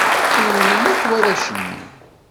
Rewlen akk warrac-nni.